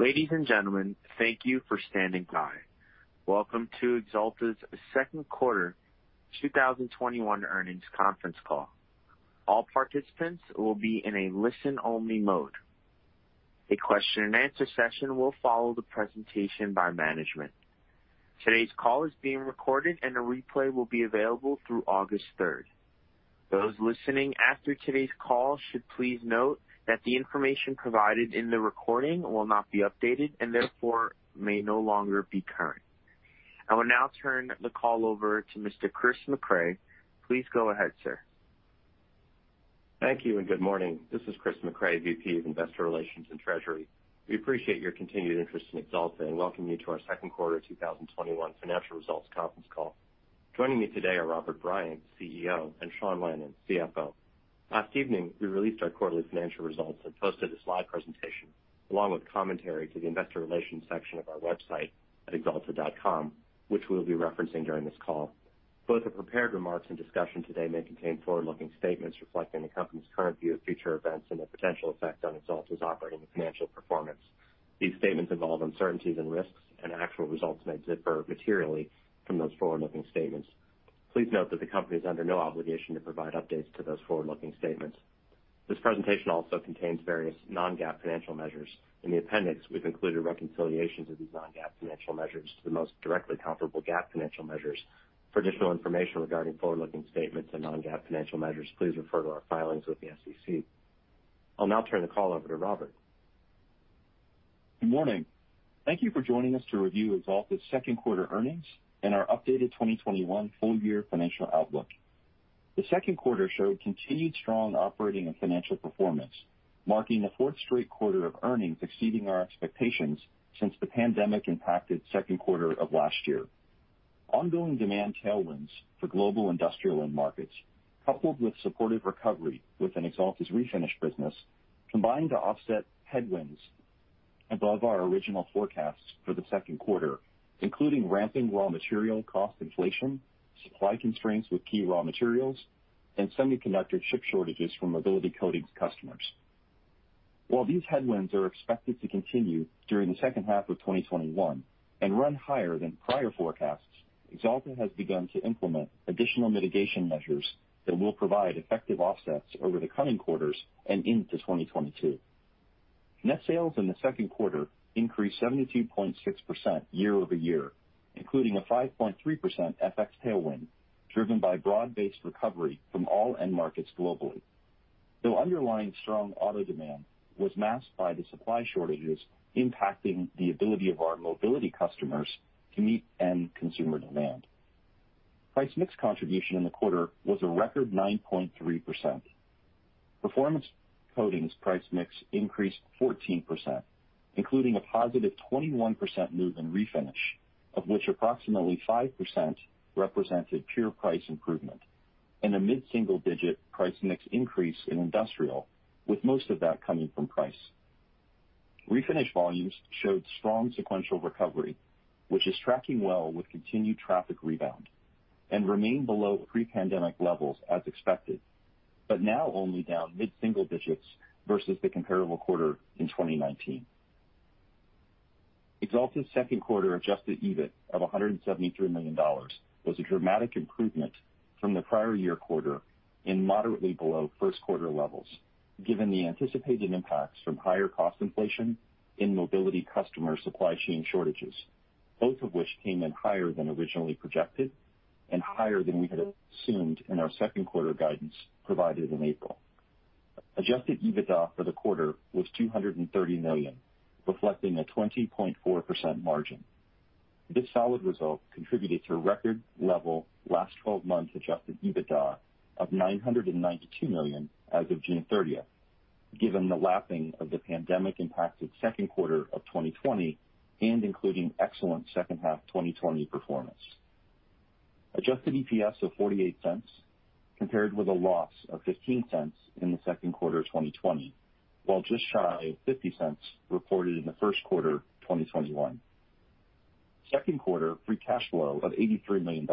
Ladies and gentlemen, thank you for standing by. Welcome to Axalta's Second Quarter 2021 Earnings Conference Call. All participants will be in a listen-only mode. A question and answer session will follow the presentation by management. Today's call is being recorded and a replay will be available through August 3rd. Those listening after today's call should please note that the information provided in the recording will not be updated and therefore may no longer be current. I will now turn the call over to Mr. Chris Mecray. Please go ahead, sir. Thank you and good morning. This is Chris Mecray, VP of Investor Relations and Treasury. We appreciate your continued interest in Axalta and welcome you to our second quarter 2021 financial results conference call. Joining me today are Robert Bryant, CEO, and Sean Lannon, CFO. Last evening, we released our quarterly financial results and posted a slide presentation along with commentary to the investor relations section of our website at axalta.com, which we'll be referencing during this call. Both the prepared remarks and discussion today may contain forward-looking statements reflecting the company's current view of future events and the potential effect on Axalta's operating and financial performance. These statements involve uncertainties and risks, and actual results may differ materially from those forward-looking statements. Please note that the company is under no obligation to provide updates to those forward-looking statements. This presentation also contains various non-GAAP financial measures. In the appendix, we've included reconciliations of these non-GAAP financial measures to the most directly comparable GAAP financial measures. For additional information regarding forward-looking statements and non-GAAP financial measures, please refer to our filings with the SEC. I'll now turn the call over to Robert. Good morning. Thank you for joining us to review Axalta's second quarter earnings and our updated 2021 full-year financial outlook. The second quarter showed continued strong operating and financial performance, marking the fourth straight quarter of earnings exceeding our expectations since the pandemic impacted second quarter of last year. Ongoing demand tailwinds for global industrial end markets, coupled with supportive recovery within Axalta's Refinish business, combined to offset headwinds above our original forecasts for the second quarter, including ramping raw material cost inflation, supply constraints with key raw materials, and semiconductor chip shortages from Mobility Coatings customers. While these headwinds are expected to continue during the second half of 2021 and run higher than prior forecasts, Axalta has begun to implement additional mitigation measures that will provide effective offsets over the coming quarters and into 2022. Net sales in the second quarter increased 72.6% year-over-year, including a 5.3% FX tailwind driven by broad-based recovery from all end markets globally. The underlying strong auto demand was masked by the supply shortages impacting the ability of our mobility customers to meet end consumer demand. Price mix contribution in the quarter was a record 9.3%. Performance Coatings price mix increased 14%, including a positive 21% move in Refinish, of which approximately 5% represented pure price improvement and a mid-single-digit price mix increase in Industrial, with most of that coming from price. Refinish volumes showed strong sequential recovery, which is tracking well with continued traffic rebound and remain below pre-pandemic levels as expected. Now only down mid-single-digits versus the comparable quarter in 2019. Axalta's second quarter adjusted EBIT of $173 million was a dramatic improvement from the prior year quarter and moderately below first quarter levels, given the anticipated impacts from higher cost inflation in Mobility customer supply chain shortages, both of which came in higher than originally projected and higher than we had assumed in our second quarter guidance provided in April. Adjusted EBITDA for the quarter was $230 million, reflecting a 20.4% margin. This solid result contributed to a record level last 12 months adjusted EBITDA of $992 million as of June 30th, given the lapping of the pandemic impacted second quarter of 2020 and including excellent second half 2020 performance. Adjusted EPS of $0.48 compared with a loss of $0.15 in the second quarter of 2020, while just shy of $0.50 reported in the first quarter of 2021. Second quarter free cash flow of $83 million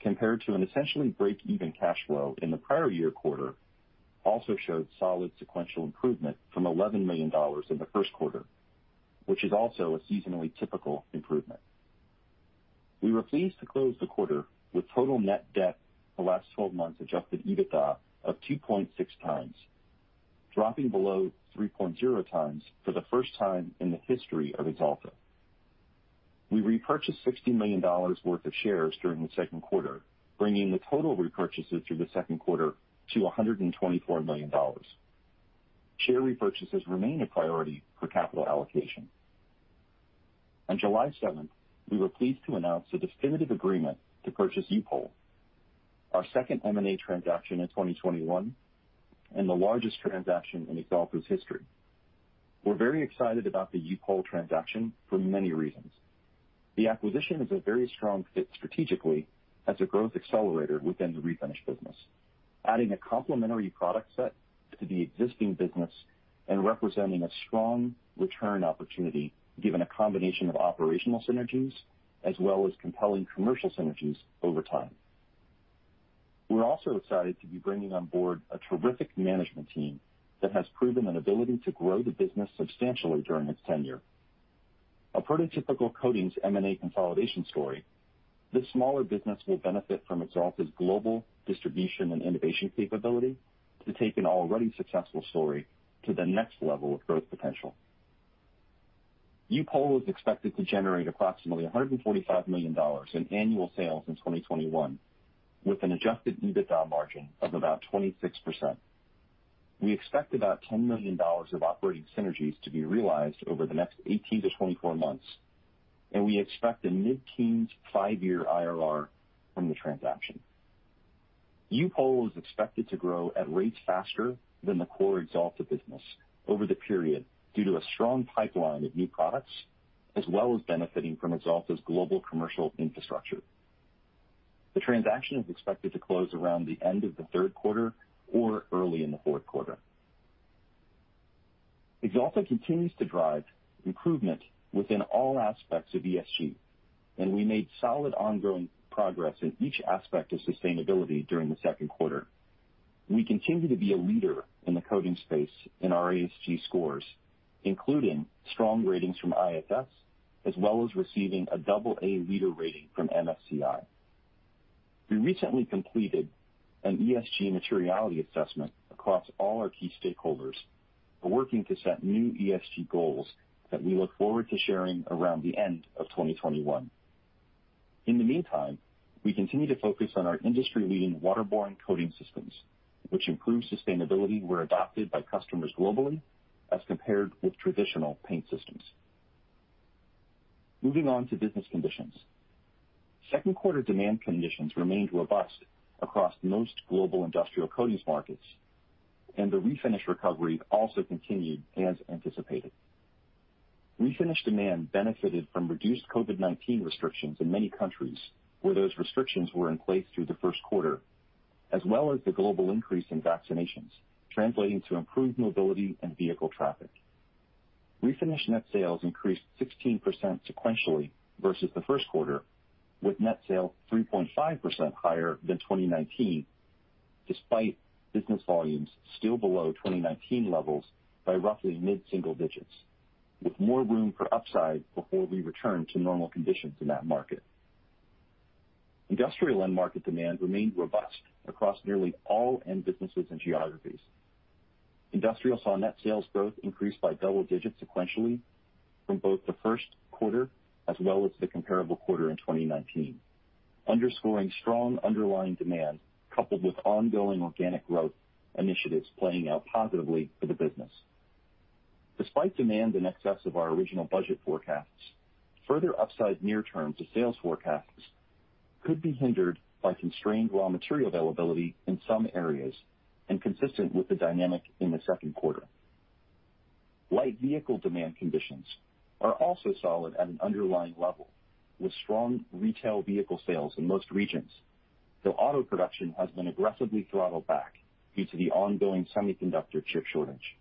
compared to an essentially break-even cash flow in the prior year quarter also showed solid sequential improvement from $11 million in the first quarter, which is also a seasonally typical improvement. We were pleased to close the quarter with total net debt to last 12 months adjusted EBITDA of 2.6 times, dropping below 3.0 times for the first time in the history of Axalta. We repurchased $60 million worth of shares during the second quarter, bringing the total repurchases through the second quarter to $124 million. Share repurchases remain a priority for capital allocation. On July 7th, we were pleased to announce a definitive agreement to purchase U-POL, our second M&A transaction in 2021 and the largest transaction in Axalta's history. We're very excited about the U-POL transaction for many reasons. The acquisition is a very strong fit strategically as a growth accelerator within the Refinish business, adding a complementary product set to the existing business and representing a strong return opportunity given a combination of operational synergies as well as compelling commercial synergies over time. We're also excited to be bringing on board a terrific management team that has proven an ability to grow the business substantially during its tenure. According to typical coatings M&A consolidation story, this smaller business will benefit from Axalta's global distribution and innovation capability to take an already successful story to the next level of growth potential. U-POL is expected to generate approximately $145 million in annual sales in 2021, with an adjusted EBITDA margin of about 26%. We expect about $10 million of operating synergies to be realized over the next 18-24 months, and we expect a mid-teens five-year IRR from the transaction. U-POL is expected to grow at rates faster than the core Axalta business over the period due to a strong pipeline of new products, as well as benefiting from Axalta's global commercial infrastructure. The transaction is expected to close around the end of the third quarter or early in the fourth quarter. Axalta continues to drive improvement within all aspects of ESG, and we made solid ongoing progress in each aspect of sustainability during the second quarter. We continue to be a leader in the coating space in our ESG scores, including strong ratings from ISS, as well as receiving a AA leader rating from MSCI. We recently completed an ESG materiality assessment across all our key stakeholders. We're working to set new ESG goals that we look forward to sharing around the end of 2021. In the meantime, we continue to focus on our industry-leading waterborne coating systems, which improve sustainability where adopted by customers globally as compared with traditional paint systems. Moving on to business conditions. Second quarter demand conditions remained robust across most global industrial coatings markets, and the Refinish recovery also continued as anticipated. Refinish demand benefited from reduced COVID-19 restrictions in many countries where those restrictions were in place through the first quarter, as well as the global increase in vaccinations, translating to improved mobility and vehicle traffic. Refinish net sales increased 16% sequentially versus the first quarter, with net sales 3.5% higher than 2019, despite business volumes still below 2019 levels by roughly mid-single digits, with more room for upside before we return to normal conditions in that market. Industrial end market demand remained robust across nearly all end businesses and geographies. Industrial saw net sales growth increase by double digits sequentially from both the first quarter as well as the comparable quarter in 2019, underscoring strong underlying demand coupled with ongoing organic growth initiatives playing out positively for the business. Despite demand in excess of our original budget forecasts, further upside near term to sales forecasts could be hindered by constrained raw material availability in some areas and consistent with the dynamic in the second quarter. Light vehicle demand conditions are also solid at an underlying level, with strong retail vehicle sales in most regions, though auto production has been aggressively throttled back due to the ongoing semiconductor chip shortage.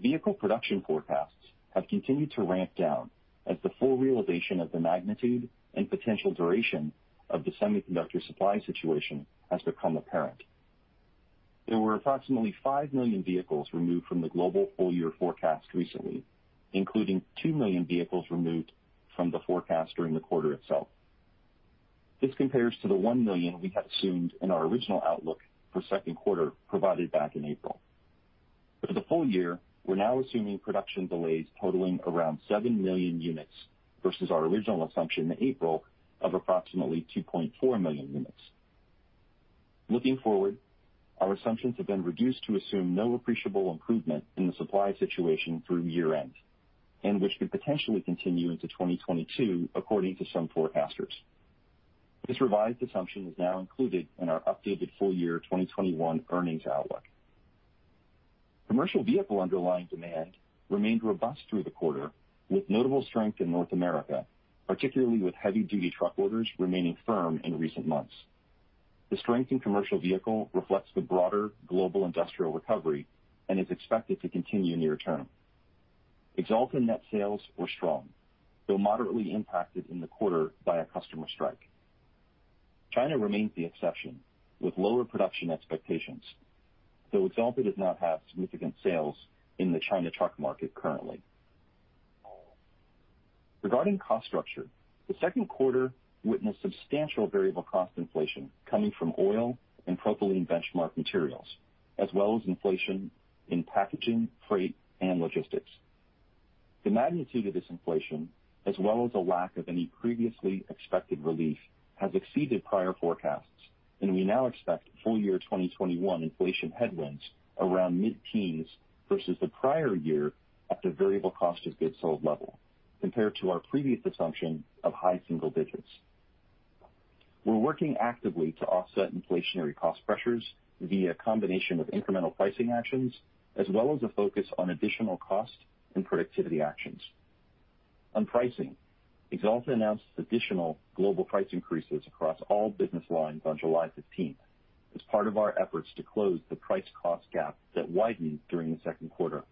Vehicle production forecasts have continued to ramp down as the full realization of the magnitude and potential duration of the semiconductor supply situation has become apparent. There were approximately 5 million vehicles removed from the global full-year forecast recently, including 2 million vehicles removed from the forecast during the quarter itself. This compares to the 1 million we had assumed in our original outlook for second quarter provided back in April. For the full year, we're now assuming production delays totaling around 7 million units versus our original assumption in April of approximately 2.4 million units. Looking forward, our assumptions have been reduced to assume no appreciable improvement in the supply situation through year-end, and which could potentially continue into 2022, according to some forecasters. This revised assumption is now included in our updated full-year 2021 earnings outlook. Commercial vehicle underlying demand remained robust through the quarter, with notable strength in North America, particularly with heavy-duty truck orders remaining firm in recent months. The strength in commercial vehicle reflects the broader global industrial recovery and is expected to continue near-term. Axalta net sales were strong, though moderately impacted in the quarter by a customer strike. China remains the exception, with lower production expectations, though Axalta does not have significant sales in the China truck market currently. Regarding cost structure, the second quarter witnessed substantial variable cost inflation coming from oil and propylene benchmark materials, as well as inflation in packaging, freight, and logistics. We now expect full-year 2021 inflation headwinds around mid-teens versus the prior year at the variable cost of goods sold level, compared to our previous assumption of high single digits. We're working actively to offset inflationary cost pressures via a combination of incremental pricing actions, as well as a focus on additional cost and productivity actions. On pricing, Axalta announced additional global price increases across all business lines on July 15th as part of our efforts to close the price cost gap that widened during the second quarter,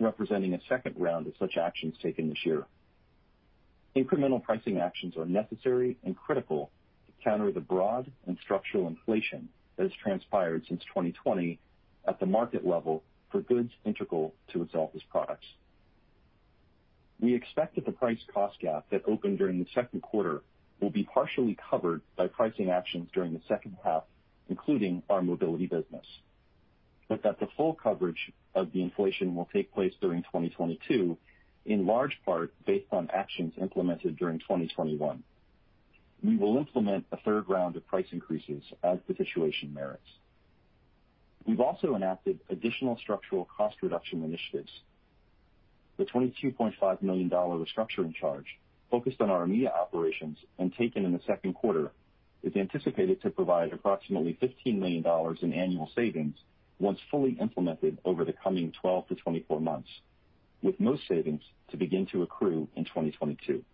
representing a second round of such actions taken this year. Incremental pricing actions are necessary and critical to counter the broad and structural inflation that has transpired since 2020 at the market level for goods integral to Axalta's products. We expect that the price cost gap that opened during the second quarter will be partially covered by pricing actions during the second half, including our Mobility business, but that the full coverage of the inflation will take place during 2022, in large part based on actions implemented during 2021. We will implement a third round of price increases as the situation merits. We've also enacted additional structural cost reduction initiatives. The $22.5 million restructuring charge, focused on our EMEA operations and taken in the second quarter, is anticipated to provide approximately $15 million in annual savings once fully implemented over the coming 12 to 24 months, with most savings to begin to accrue in 2022.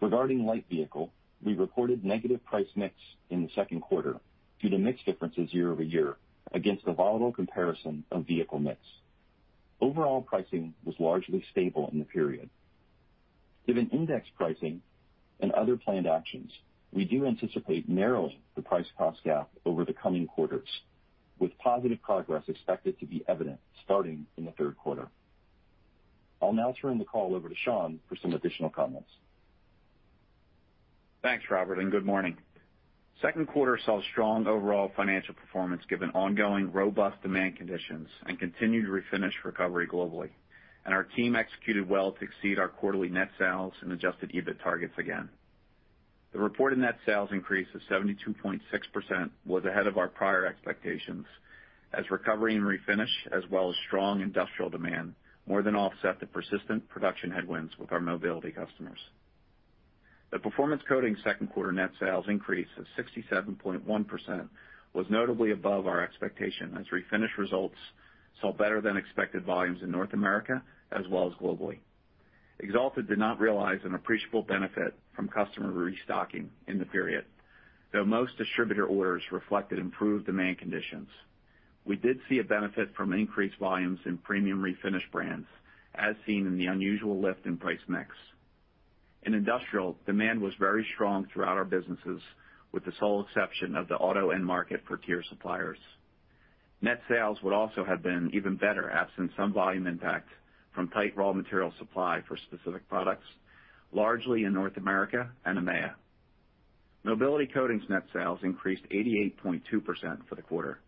Regarding light vehicle, we recorded negative price mix in the second quarter due to mix differences year-over-year against the volatile comparison of vehicle mix. Overall pricing was largely stable in the period. Given index pricing and other planned actions, we do anticipate narrowing the price cost gap over the coming quarters, with positive progress expected to be evident starting in the third quarter. I'll now turn the call over to Sean for some additional comments. Thanks, Robert, and good morning. Second quarter saw strong overall financial performance given ongoing robust demand conditions and continued Refinish recovery globally. Our team executed well to exceed our quarterly net sales and adjusted EBIT targets again. The reported net sales increase of 72.6% was ahead of our prior expectations as recovery and Refinish, as well as strong industrial demand, more than offset the persistent production headwinds with our Mobility customers. The Performance Coatings second quarter net sales increase of 67.1% was notably above our expectation, as Refinish results saw better than expected volumes in North America as well as globally. Axalta did not realize an appreciable benefit from customer restocking in the period, though most distributor orders reflected improved demand conditions. We did see a benefit from increased volumes in premium Refinish brands, as seen in the unusual lift in price mix. In Industrial, demand was very strong throughout our businesses, with the sole exception of the auto end market for tier suppliers. Net sales would also have been even better, absent some volume impact from tight raw material supply for specific products, largely in North America and EMEA. Mobility Coatings' net sales increased 88.2% for the quarter,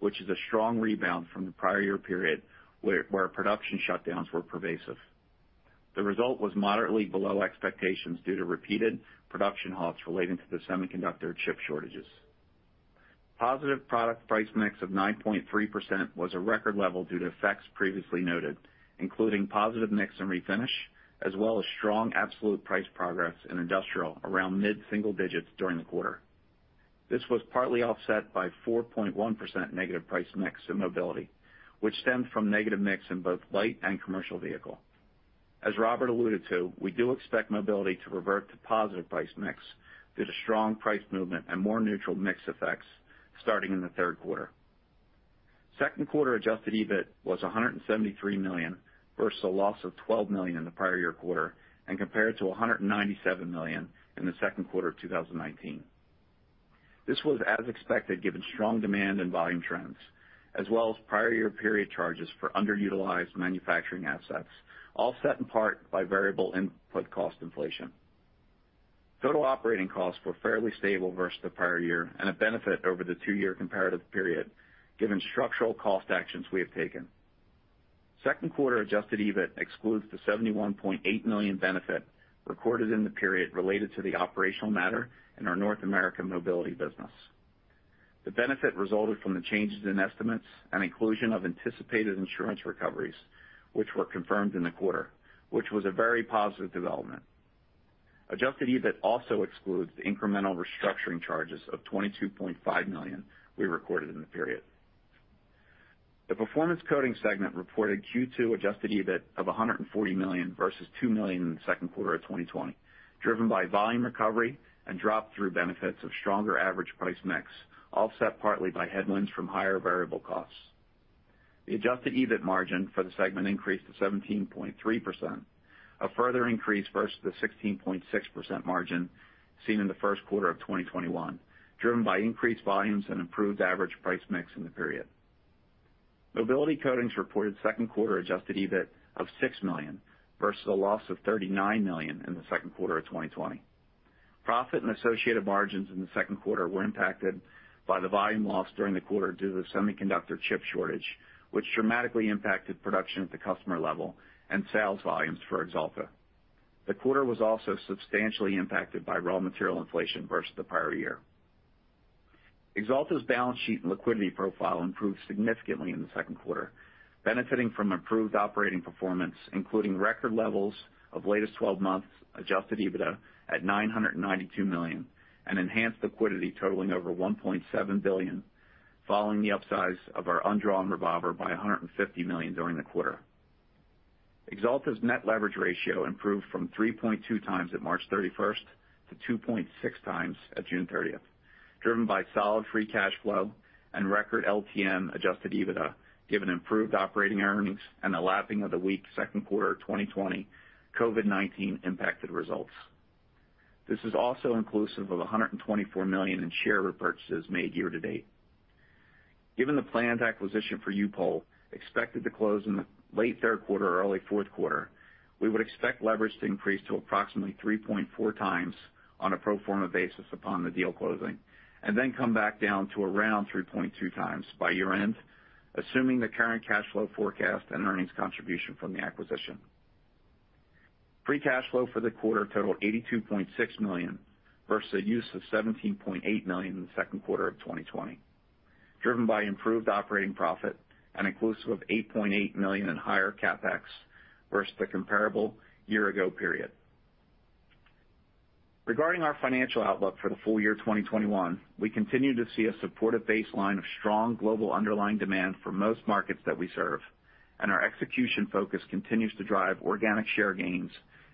which is a strong rebound from the prior year period, where production shutdowns were pervasive. The result was moderately below expectations due to repeated production halts relating to the semiconductor chip shortages. Positive product price mix of 9.3% was a record level due to effects previously noted, including positive mix in Refinish, as well as strong absolute price progress in Industrial around mid-single digits during the quarter. This was partly offset by 4.1% negative price mix in mobility, which stemmed from negative mix in both light and commercial vehicle. As Robert alluded to, we do expect Mobility to revert to positive price mix due to strong price movement and more neutral mix effects starting in the third quarter. Second quarter adjusted EBIT was $173 million versus a loss of $12 million in the prior year quarter, and compared to $197 million in the second quarter of 2019. This was as expected, given strong demand and volume trends, as well as prior year period charges for underutilized manufacturing assets, all set in part by variable input cost inflation. Total operating costs were fairly stable versus the prior year and a benefit over the two-year comparative period, given structural cost actions we have taken. Second quarter adjusted EBIT excludes the $71.8 million benefit recorded in the period related to the operational matter in our North American Mobility business. The benefit resulted from the changes in estimates and inclusion of anticipated insurance recoveries, which were confirmed in the quarter, which was a very positive development. Adjusted EBIT also excludes the incremental restructuring charges of $22.5 million we recorded in the period. The Performance Coatings segment reported Q2 Adjusted EBIT of $140 million versus $2 million in the second quarter of 2020, driven by volume recovery and drop-through benefits of stronger average price mix, offset partly by headwinds from higher variable costs. The Adjusted EBIT margin for the segment increased to 17.3%, a further increase versus the 16.6% margin seen in the first quarter of 2021, driven by increased volumes and improved average price mix in the period. Mobility Coatings reported second quarter Adjusted EBIT of $6 million versus a loss of $39 million in the second quarter of 2020. Profit and associated margins in the second quarter were impacted by the volume loss during the quarter due to the semiconductor chip shortage, which dramatically impacted production at the customer level and sales volumes for Axalta. The quarter was also substantially impacted by raw material inflation versus the prior year. Axalta's balance sheet and liquidity profile improved significantly in the second quarter, benefiting from improved operating performance, including record levels of latest 12 months adjusted EBITDA at $992 million and enhanced liquidity totaling over $1.7 billion, following the upsize of our undrawn revolver by $150 million during the quarter. Axalta's net leverage ratio improved from 3.2 times at March 31st to 2.6 times at June 30th, driven by solid free cash flow and record LTM adjusted EBITDA, given improved operating earnings and the lapping of the weak second quarter of 2020 COVID-19 impacted results. This is also inclusive of $124 million in share repurchases made year to date. Given the planned acquisition for U-POL expected to close in the late third quarter or early fourth quarter, we would expect leverage to increase to approximately 3.4 times on a pro forma basis upon the deal closing, and then come back down to around 3.2 times by year-end, assuming the current cash flow forecast and earnings contribution from the acquisition. Free cash flow for the quarter totaled $82.6 million, versus a use of $17.8 million in the second quarter of 2020, driven by improved operating profit and inclusive of $8.8 million in higher CapEx versus the comparable year-ago period. Regarding our financial outlook for the full year 2021, we continue to see a supportive baseline of strong global underlying demand for most markets that we serve. Our execution focus continues to drive organic share gains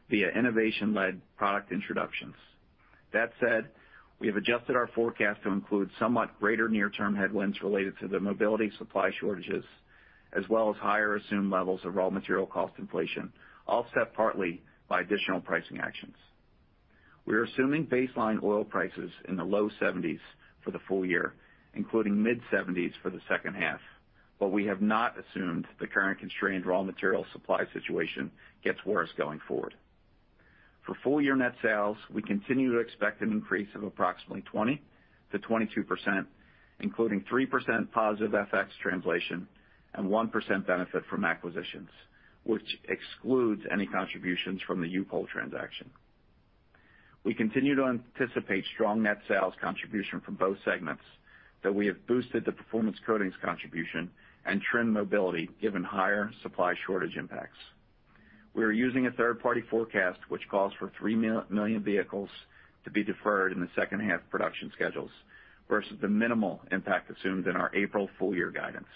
via innovation-led product introductions. That said, we have adjusted our forecast to include somewhat greater near-term headwinds related to the mobility supply shortages, as well as higher assumed levels of raw material cost inflation, offset partly by additional pricing actions. We are assuming baseline oil prices in the low 70s for the full year, including mid-70s for the second half. We have not assumed the current constrained raw material supply situation gets worse going forward. For full year net sales, we continue to expect an increase of approximately 20%-22%, including 3% positive FX translation and 1% benefit from acquisitions, which excludes any contributions from the U-POL transaction. We continue to anticipate strong net sales contribution from both segments, though we have boosted the Performance Coatings contribution and trim Mobility given higher supply shortage impacts. We are using a third-party forecast which calls for 3 million vehicles to be deferred in the second half production schedules versus the minimal impact assumed in our April full year guidance.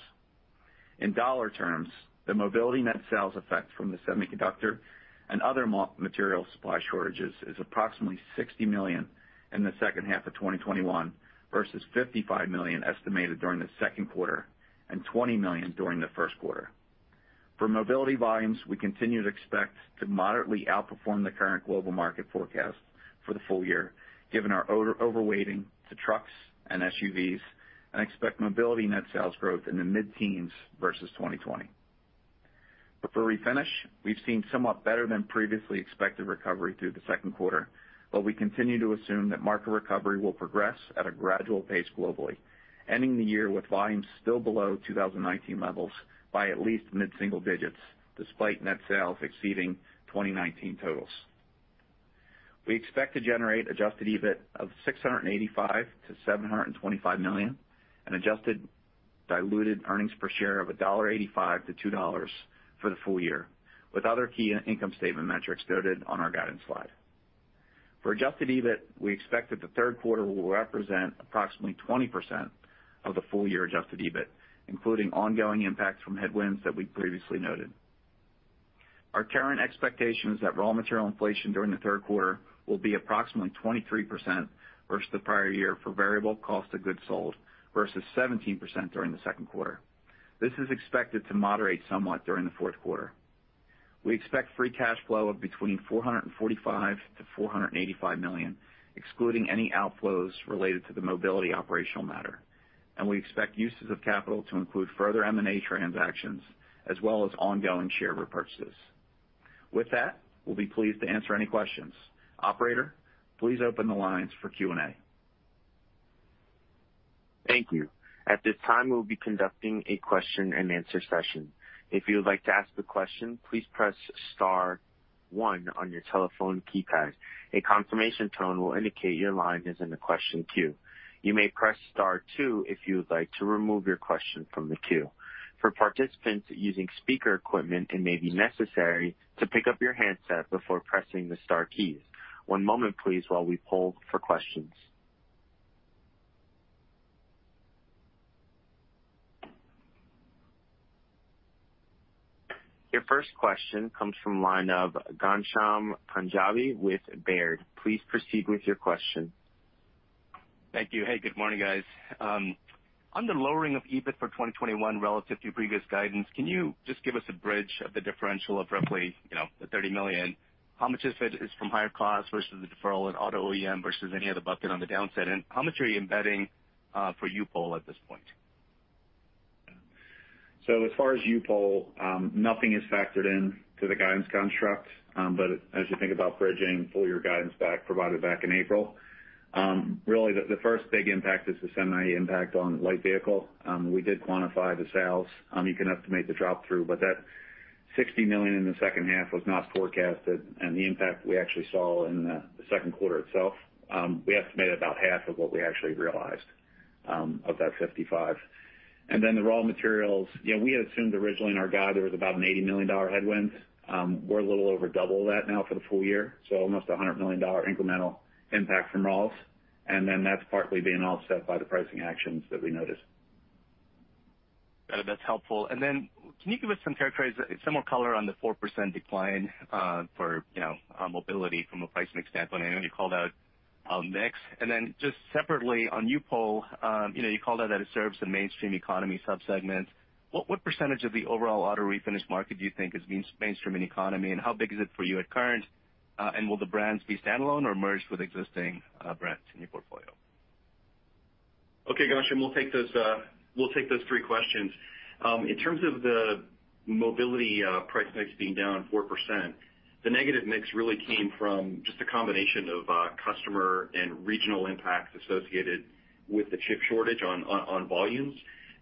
In dollar terms, the Mobility net sales effect from the semiconductor and other material supply shortages is approximately $60 million in the second half of 2021 versus $55 million estimated during the second quarter and $20 million during the first quarter. For Mobility volumes, we continue to expect to moderately outperform the current global market forecast for the full year, given our overweighting to trucks and SUVs, and expect Mobility net sales growth in the mid-teens versus 2020. For Refinish, we've seen somewhat better than previously expected recovery through the second quarter, but we continue to assume that market recovery will progress at a gradual pace globally, ending the year with volumes still below 2019 levels by at least mid-single digits, despite net sales exceeding 2019 totals. We expect to generate adjusted EBIT of $685 million-$725 million and adjusted diluted earnings per share of $1.85-$2 for the full year, with other key income statement metrics noted on our guidance slide. For Adjusted EBIT, we expect that the third quarter will represent approximately 20% of the full year adjusted EBIT, including ongoing impacts from headwinds that we previously noted. Our current expectation is that raw material inflation during the third quarter will be approximately 23% versus the prior year for variable cost of goods sold versus 17% during the second quarter. This is expected to moderate somewhat during the fourth quarter. We expect free cash flow of between $445 to $485 million, excluding any outflows related to the mobility operational matter. We expect uses of capital to include further M&A transactions as well as ongoing share repurchases. With that, we'll be pleased to answer any questions. Operator, please open the lines for Q&A. Thank you. At this time, we will be conducting a question and answer session. Your first question comes from the line of Ghansham Panjabi with Baird. Please proceed with your question. Thank you. Hey, good morning, guys. On the lowering of EBIT for 2021 relative to previous guidance, can you just give us a bridge of the differential of roughly the $30 million? How much of it is from higher costs versus the deferral in auto OEM versus any other bucket on the downside? How much are you embedding for U-POL at this point? As far as U-POL, nothing is factored into the guidance construct. As you think about bridging full year guidance provided back in April, really the first big impact is the semi impact on light vehicle. We did quantify the sales. You can estimate the drop through, but that $60 million in the second half was not forecasted and the impact we actually saw in the second quarter itself, we estimated about half of what we actually realized of that $55. The raw materials. We had assumed originally in our guide there was about an $80 million headwind. We're a little over double that now for the full year, so almost $100 million incremental impact from raws. That's partly being offset by the pricing actions that we noted. That's helpful. Can you give us some more color on the 4% decline for Mobility from a price mix standpoint? I know you called out mix. Just separately on U-POL, you called out that it serves the mainstream economy sub-segment. What percentage of the overall auto Refinish market do you think is mainstream and economy, and how big is it for you at current? Will the brands be standalone or merged with existing brands in your portfolio? Okay, Gotcha. Will take those three questions. In terms of the mobility price mix being down 4%, the negative mix really came from just a combination of customer and regional impacts associated with the chip shortage on volumes,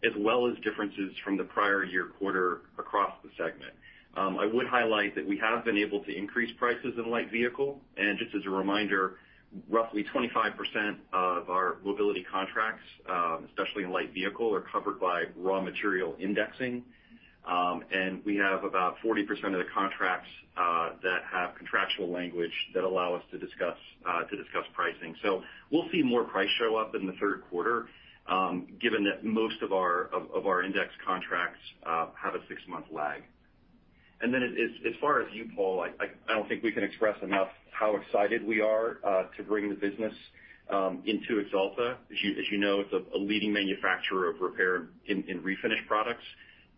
as well as differences from the prior year quarter across the segment. I would highlight that we have been able to increase prices in light vehicle. Just as a reminder, roughly 25% of our mobility contracts, especially in light vehicle, are covered by raw material indexing. We have about 40% of the contracts that have contractual language that allow us to discuss pricing. We'll see more price show up in the third quarter, given that most of our index contracts have a six-month lag. Then as far as U-POL, I don't think we can express enough how excited we are to bring the business into Axalta. As you know, it's a leading manufacturer of repair and Refinish products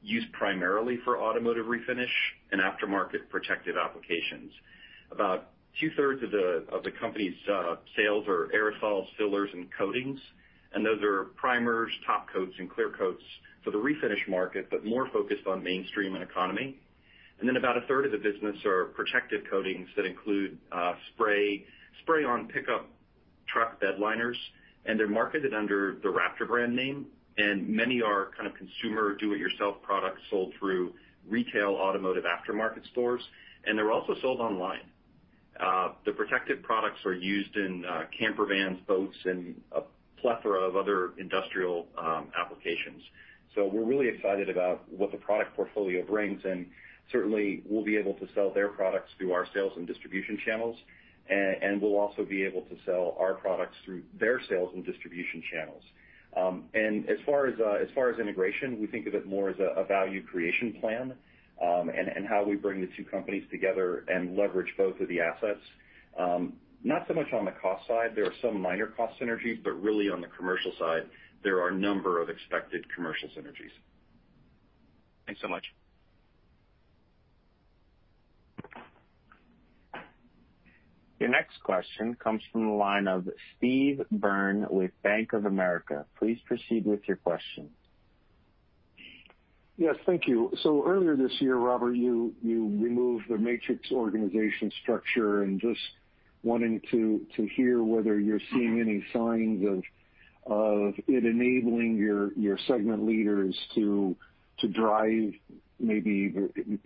used primarily for automotive Refinish and aftermarket protective applications. About 2/3 of the company's sales are aerosols, fillers, and coatings, and those are primers, top coats, and clear coats for the Refinish market, but more focused on mainstream and economy. Then about a third of the business are protective coatings that include spray-on pickup truck bed liners, and they're marketed under the RAPTOR brand name, and many are kind of consumer do it yourself products sold through retail automotive aftermarket stores, and they're also sold online. The protective products are used in camper vans, boats, and a plethora of other industrial applications. We're really excited about what the product portfolio brings, and certainly we'll be able to sell their products through our sales and distribution channels, and we'll also be able to sell our products through their sales and distribution channels. As far as integration, we think of it more as a value creation plan, and how we bring the two companies together and leverage both of the assets. Not so much on the cost side. There are some minor cost synergies, but really on the commercial side, there are a number of expected commercial synergies. Thanks so much. Your next question comes from the line of Steve Byrne with Bank of America. Please proceed with your question. Yes, thank you. Earlier this year, Robert, you removed the matrix organization structure and just wanting to hear whether you're seeing any signs of it enabling your segment leaders to drive maybe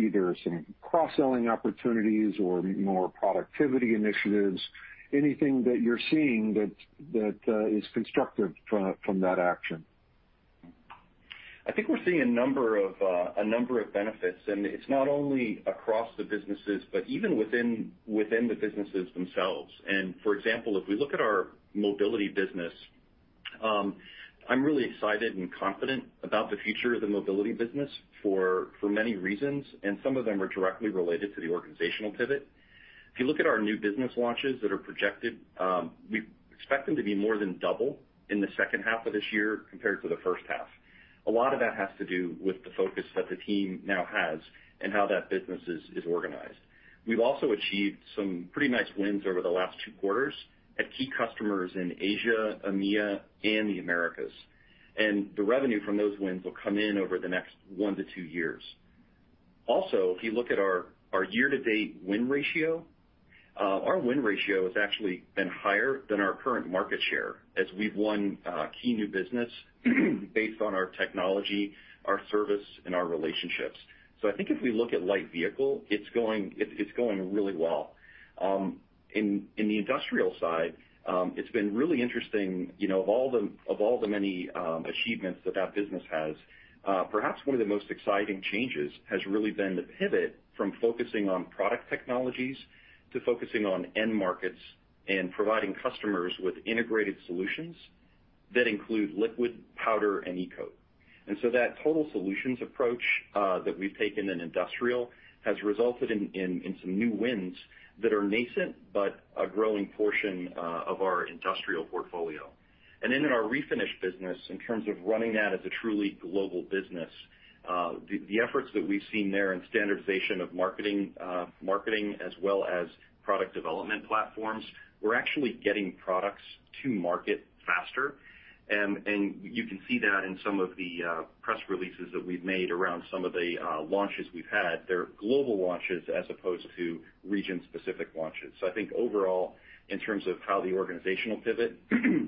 either some cross-selling opportunities or more productivity initiatives. Anything that you're seeing that is constructive from that action? I think we're seeing a number of benefits, it's not only across the businesses, but even within the businesses themselves. For example, if we look at our Mobility business, I'm really excited and confident about the future of the Mobility business for many reasons, some of them are directly related to the organizational pivot. If you look at our new business launches that are projected, we expect them to be more than double in the second half of this year compared to the first half. A lot of that has to do with the focus that the team now has and how that business is organized. We've also achieved some pretty nice wins over the last two quarters at key customers in Asia, EMEA, and the Americas. The revenue from those wins will come in over the next one to two years. If you look at our year-to-date win ratio, our win ratio has actually been higher than our current market share as we've won key new business based on our technology, our service, and our relationships. I think if we look at light vehicle, it's going really well. In the Industrial side, it's been really interesting. Of all the many achievements that that business has, perhaps one of the most exciting changes has really been the pivot from focusing on product technologies to focusing on end markets and providing customers with integrated solutions that include liquid, powder, and e-coat. That total solutions approach that we've taken in Industrial has resulted in some new wins that are nascent, but a growing portion of our Industrial portfolio. Then in our Refinish business, in terms of running that as a truly global business, the efforts that we've seen there in standardization of marketing as well as product development platforms, we're actually getting products to market faster. You can see that in some of the press releases that we've made around some of the launches we've had. They're global launches as opposed to region-specific launches. I think overall, in terms of how the organizational pivot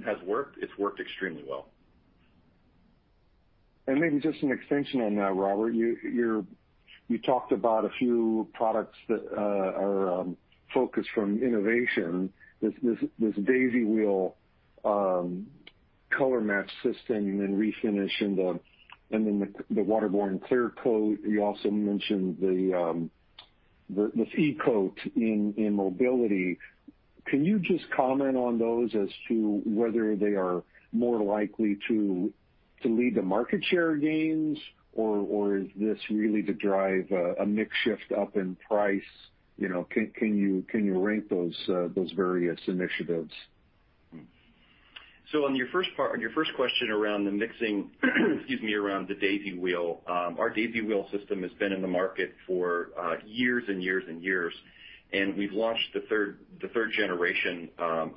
has worked, it's worked extremely well. Maybe just an extension on that, Robert. You talked about a few products that are a focus from innovation. This Daisy Wheel color match system and Refinish, and then the waterborne clear coat. You also mentioned the E-coat in Mobility, can you just comment on those as to whether they are more likely to lead to market share gains, or is this really to drive a mix shift up in price? Can you rank those various initiatives? On your first question around the mixing, around the Daisy Wheel. Our Daisy Wheel system has been in the market for years and years. We've launched the third generation of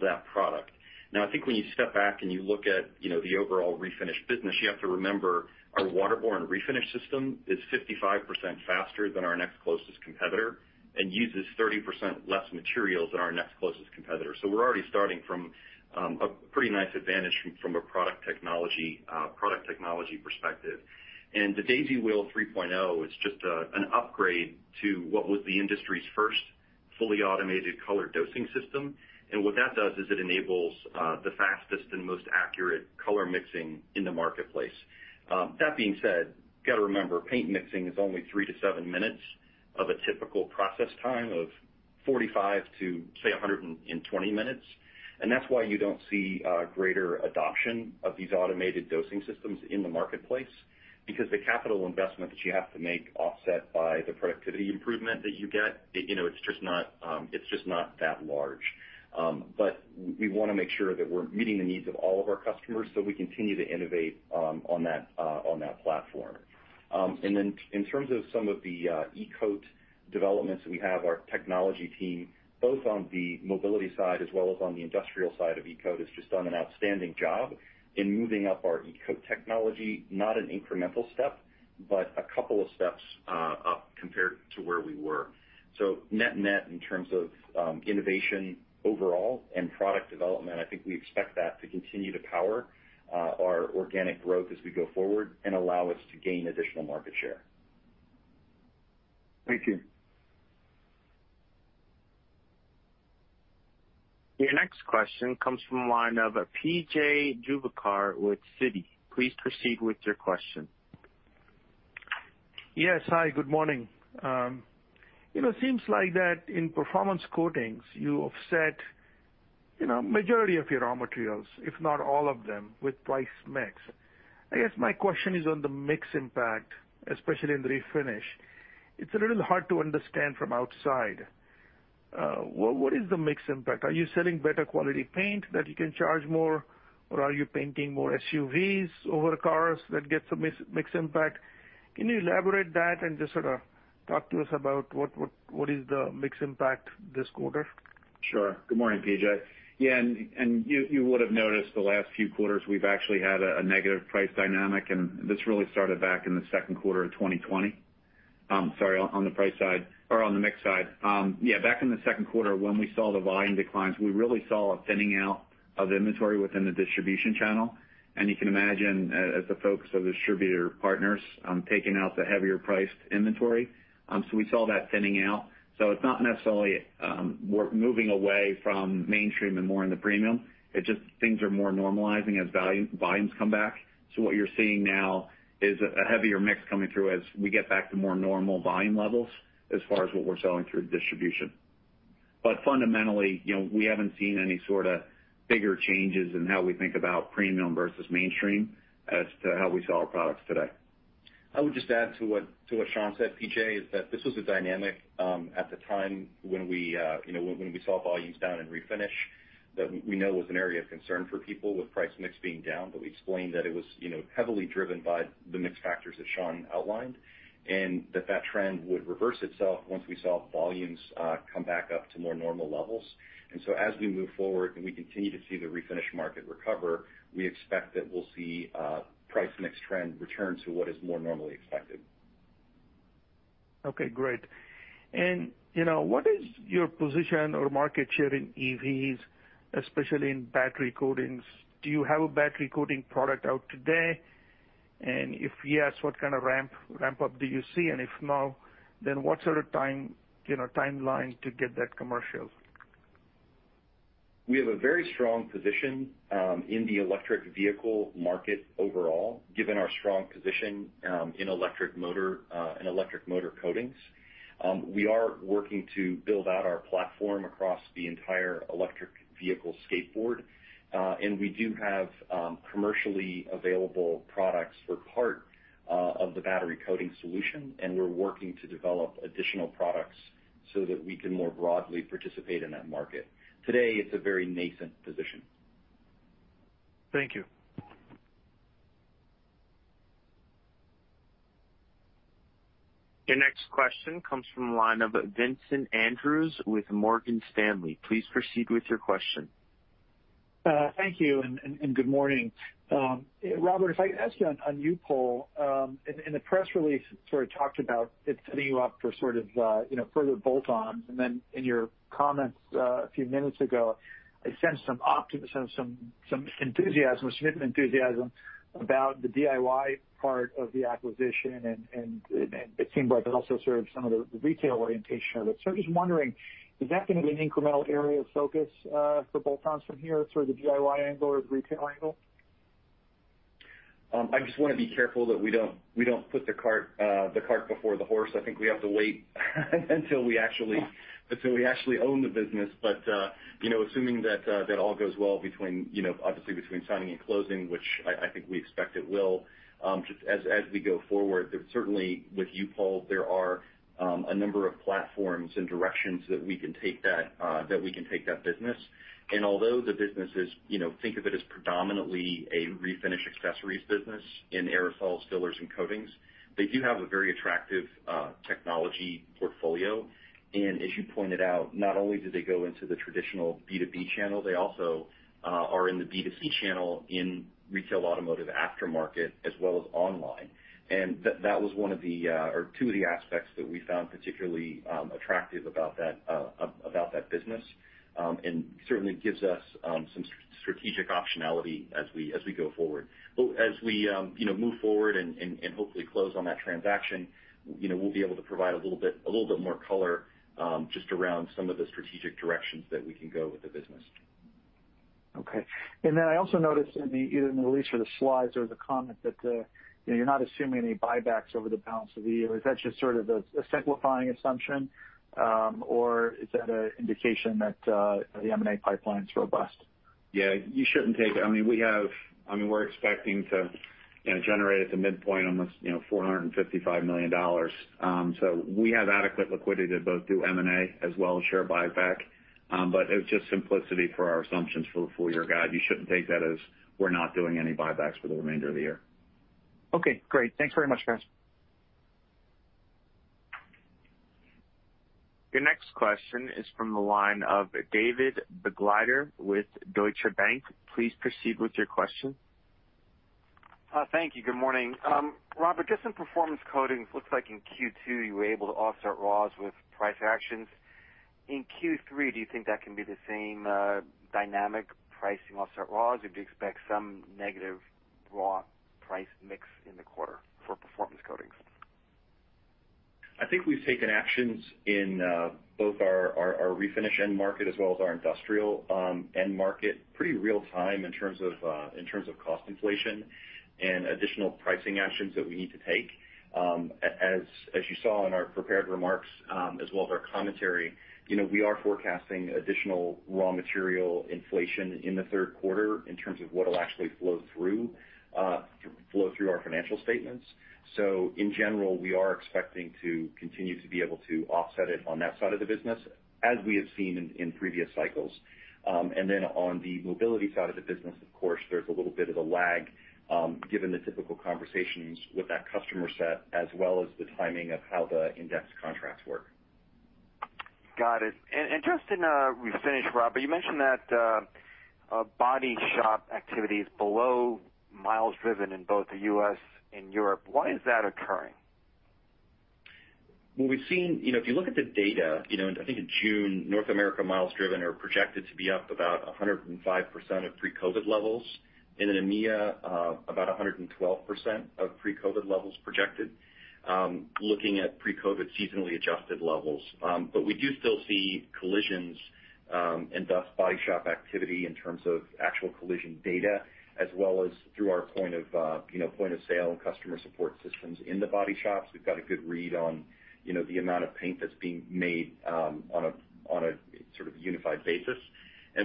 that product. I think when you step back and you look at the overall Refinish business, you have to remember our waterborne Refinish system is 55% faster than our next closest competitor and uses 30% less materials than our next closest competitor. We're already starting from a pretty nice advantage from a product technology perspective. The Daisy Wheel 3.0 is just an upgrade to what was the industry's first fully automated color dosing system. What that does is it enables the fastest and most accurate color mixing in the marketplace. That being said, you've got to remember, paint mixing is only three to seven minutes of a typical process time of 45 to, say, 120 minutes. That's why you don't see greater adoption of these automated dosing systems in the marketplace, because the capital investment that you have to make offset by the productivity improvement that you get, it's just not that large. We want to make sure that we're meeting the needs of all of our customers, so we continue to innovate on that platform. In terms of some of the E-Coat developments that we have, our technology team, both on the mobility side as well as on the industrial side of E-Coat, has just done an outstanding job in moving up our E-Coat technology, not an incremental step, but a couple of steps up compared to where we were. Net net in terms of innovation overall and product development, I think we expect that to continue to power our organic growth as we go forward and allow us to gain additional market share. Thank you. Your next question comes from the line of PJ Juvekar with Citi. Please proceed with your question. Yes. Hi, good morning. It seems like that in Performance Coatings, you offset majority of your raw materials, if not all of them, with price mix. I guess my question is on the mix impact, especially in the Refinish. It's a little hard to understand from outside. What is the mix impact? Are you selling better quality paint that you can charge more, or are you painting more SUVs over cars that gets a mix impact? Can you elaborate that and just sort of talk to us about what is the mix impact this quarter? Sure. Good morning, PJ. You would've noticed the last few quarters, we've actually had a negative price dynamic, this really started back in the second quarter of 2020. Sorry, on the mix side. Back in the second quarter, when we saw the volume declines, we really saw a thinning out of inventory within the distribution channel. You can imagine, as the focus of distributor partners taking out the heavier priced inventory. We saw that thinning out. It's not necessarily moving away from mainstream and more in the premium. It's just things are more normalizing as volumes come back. What you're seeing now is a heavier mix coming through as we get back to more normal volume levels as far as what we're selling through distribution. Fundamentally, we haven't seen any sort of bigger changes in how we think about premium versus mainstream as to how we sell our products today. I would just add to what Sean said, PJ, is that this was a dynamic at the time when we saw volumes down in Refinish that we know was an area of concern for people with price mix being down. We explained that it was heavily driven by the mix factors that Sean outlined, and that trend would reverse itself once we saw volumes come back up to more normal levels. As we move forward and we continue to see the Refinish market recover, we expect that we'll see a price mix trend return to what is more normally expected. Okay, great. What is your position or market share in EVs, especially in battery coatings? Do you have a battery coating product out today? If yes, what kind of ramp-up do you see? If no, what sort of timeline to get that commercial? We have a very strong position in the electric vehicle market overall, given our strong position in electric motor coatings. We are working to build out our platform across the entire electric vehicle skateboard. We do have commercially available products for part of the battery coating solution, and we're working to develop additional products so that we can more broadly participate in that market. Today, it's a very nascent position. Thank you. Your next question comes from the line of Vincent Andrews with Morgan Stanley. Please proceed with your question. Thank you, and good morning. Robert, if I could ask you on U-POL. In the press release, sort of talked about it setting you up for sort of further bolt-ons. Then in your comments a few minutes ago, I sense some optimism, some enthusiasm, significant enthusiasm about the DIY part of the acquisition, and it seemed like it also served some of the retail orientation of it. I'm just wondering, is that going to be an incremental area of focus for bolt-ons from here through the DIY angle or the retail angle? I just want to be careful that we don't put the cart before the horse. I think we have to wait until we actually own the business. Assuming that all goes well between, obviously between signing and closing, which I think we expect it will, just as we go forward, certainly with U-POL, there are a number of platforms and directions that we can take that business. Although the business is, think of it as predominantly a Refinish accessories business in aerosols, fillers, and coatings, they do have a very attractive technology portfolio. As you pointed out, not only do they go into the traditional B2B channel, they also are in the B2C channel in retail automotive aftermarket as well as online. That was one of the, or two of the aspects that we found particularly attractive about that business. Certainly gives us some strategic optionality as we go forward. As we move forward and hopefully close on that transaction, we'll be able to provide a little bit more color, just around some of the strategic directions that we can go with the business. Okay. I also noticed in the release or the slides or the comment that you're not assuming any buybacks over the balance of the year. Is that just sort of a simplifying assumption, or is that an indication that the M&A pipeline's robust? Yeah, you shouldn't take it. We're expecting to generate at the midpoint on this, $455 million. We have adequate liquidity to both do M&A as well as share buyback. It was just simplicity for our assumptions for the full-year guide. You shouldn't take that as we're not doing any buybacks for the remainder of the year. Okay, great. Thanks very much, guys. Your next question is from the line of David Begleiter with Deutsche Bank. Please proceed with your question. Thank you. Good morning. Robert, just in Performance Coatings, looks like in Q2 you were able to offset raws with price actions. In Q3, do you think that can be the same dynamic pricing offset raws, or do you expect some negative raw price mix in the quarter for Performance Coatings? I think we've taken actions in both our Refinish end market as well as our Industrial end market, pretty real time in terms of cost inflation and additional pricing actions that we need to take. As you saw in our prepared remarks, as well as our commentary, we are forecasting additional raw material inflation in the third quarter in terms of what'll actually flow through our financial statements. In general, we are expecting to continue to be able to offset it on that side of the business as we have seen in previous cycles. On the Mobility Coatings side of the business, of course, there's a little bit of a lag, given the typical conversations with that customer set as well as the timing of how the indexed contracts work. Got it. Just in Refinish, Robert, you mentioned that body shop activity is below miles driven in both the U.S. and Europe. Why is that occurring? Well, if you look at the data, I think in June, North America miles driven are projected to be up about 105% of pre-COVID levels, and in EMEA, about 112% of pre-COVID levels projected, looking at pre-COVID seasonally adjusted levels. We do still see collisions, and thus body shop activity in terms of actual collision data, as well as through our point of sale and customer support systems in the body shops. We've got a good read on the amount of paint that's being made on a sort of unified basis.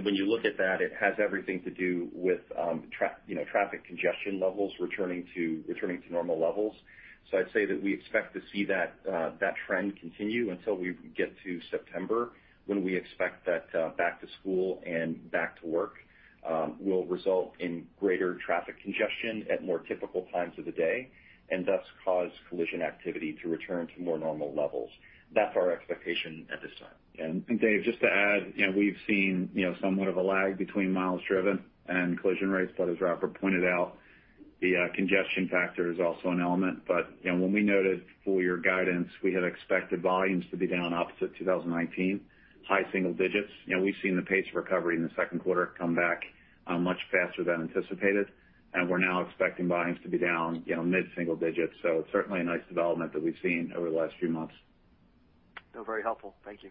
When you look at that, it has everything to do with traffic congestion levels returning to normal levels. I'd say that we expect to see that trend continue until we get to September, when we expect that back to school and back to work will result in greater traffic congestion at more typical times of the day, and thus cause collision activity to return to more normal levels. That's our expectation at this time. Dave, just to add, we've seen somewhat of a lag between miles driven and collision rates, but as Robert pointed out, the congestion factor is also an element. When we noted full year guidance, we had expected volumes to be down opposite 2019, high single digits. We've seen the pace of recovery in the second quarter come back much faster than anticipated, and we're now expecting volumes to be down mid-single digits. It's certainly a nice development that we've seen over the last few months. Very helpful. Thank you.